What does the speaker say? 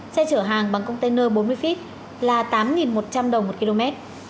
xe chở hàng bằng container bốn mươi feet là tám một trăm linh đồng một km